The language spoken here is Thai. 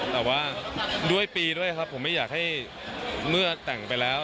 แต่ว่าด้วยปีด้วยครับผมไม่อยากให้เมื่อแต่งไปแล้ว